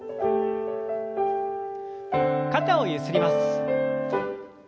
肩をゆすります。